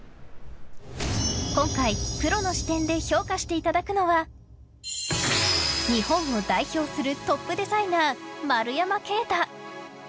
今回、プロの視点で評価していただくのは日本を代表するトップデザイナー丸山敬太。